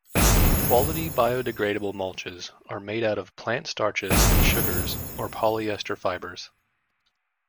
Quality biodegradable mulches are made out of plant starches and sugars or polyester fibres.